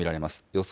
予想